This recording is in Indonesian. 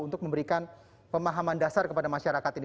untuk memberikan pemahaman dasar kepada masyarakat ini